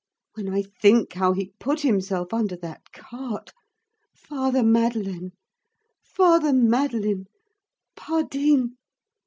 When I think how he put himself under that cart! Father Madeleine! Father Madeleine! Pardine!